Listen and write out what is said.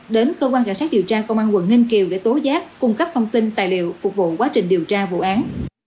đến cơ quan cảnh sát điều tra công an quận ninh kiều để tố giác cung cấp thông tin tài liệu phục vụ quá trình điều tra vụ án